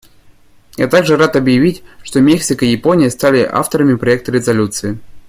Я также рад объявить, что Мексика и Япония стали авторами проекта резолюции.